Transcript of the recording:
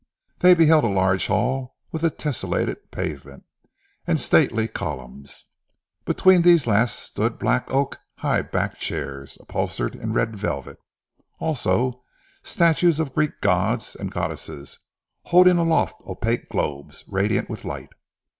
They beheld a large hall with a tesselated pavement, and stately columns. Between these last stood black oak high backed chairs upholstered in red velvet: also statues of Greek gods and goddesses, holding aloft opaque globes, radiant with light.